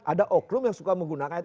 ada oklum yang suka menggunakan itu